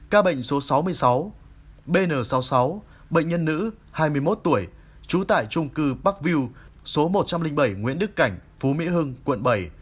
các bệnh số sáu mươi sáu bn sáu mươi sáu bệnh nhân nữ hai mươi một tuổi trú tại trung cư park view số một trăm linh bảy nguyễn đức cảnh phú mỹ hưng quận bảy